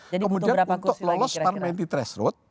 kemudian untuk lolos parliamentary threshold